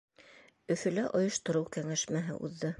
Өфөлә ойоштороу кәңәшмәһе уҙҙы.